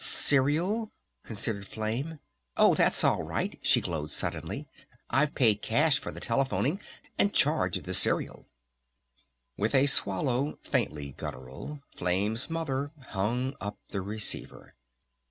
"Cereal?" considered Flame. "Oh that's all right," she glowed suddenly. "I've paid cash for the telephoning and charged the cereal." With a swallow faintly guttural Flame's Mother hung up the receiver.